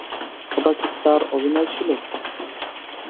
ওটা কী তার অভিনয় ছিল?